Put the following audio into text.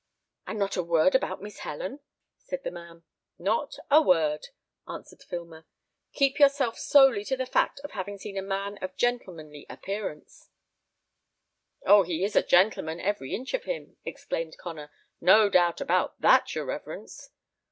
"And not a word about Miss Helen?" said the man. "Not a word," answered Filmer. "Keep yourself solely to the fact of having seen a man of gentlemanly appearance " "Oh! he is a gentleman, every inch of him," exclaimed Connor. "No doubt about that, your reverence."